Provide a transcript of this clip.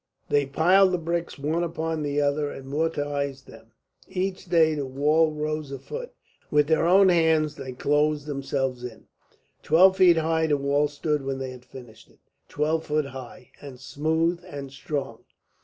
They piled the bricks one upon the other and mortised them. Each day the wall rose a foot. With their own hands they closed themselves in. Twelve feet high the wall stood when they had finished it twelve feet high, and smooth and strong.